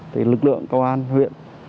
thì lực lượng công an huyện